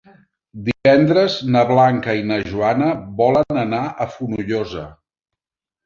Divendres na Blanca i na Joana volen anar a Fonollosa.